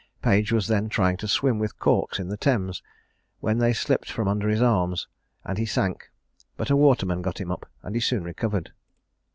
Page was then trying to swim with corks in the Thames, when they slipped from under his arms, and he sank; but a waterman got him up, and he soon recovered.